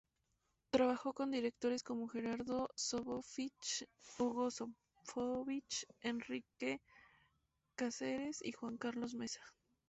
Trabajó con directores como Gerardo Sofovich, Hugo Sofovich, Enrique Cáceres y Juan Carlos Mesa.